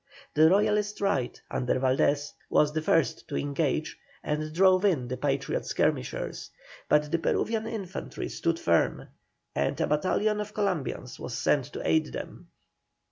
The Royalist right, under Valdés, was the first to engage, and drove in the Patriot skirmishers; but the Peruvian infantry stood firm, and a battalion of Columbians was sent to aid them.